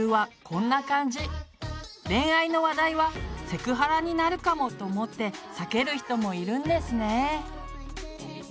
恋愛の話題はセクハラになるかもと思って避ける人もいるんですね。